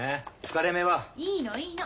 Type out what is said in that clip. いいのいいの。